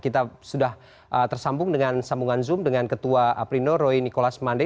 kita sudah tersambung dengan sambungan zoom dengan ketua aprino roy nikolas mande